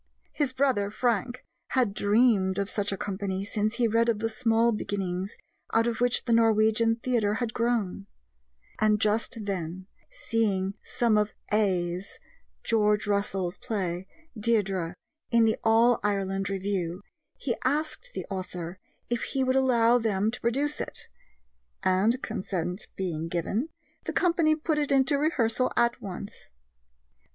His brother, Frank, had dreamed of such a company since he read of the small beginnings out of which the Norwegian Theatre had grown; and just then, seeing some of "Æ's" (George Russell's) play, Deirdre, in the All Ireland Review, he asked the author if he would allow them to produce it, and, consent being given, the company put it into rehearsal at once.